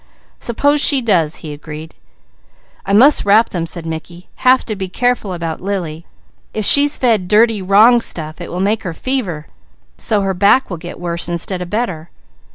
"Suppose she does," he agreed. "I must wrap them," said Mickey. "Have to be careful about Lily. If she's fed dirty, wrong stuff, it will make fever so her back will get worse instead of better."